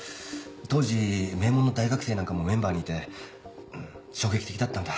当時名門の大学生なんかもメンバーにいて衝撃的だったんだ。